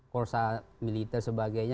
korpsal militer sebagainya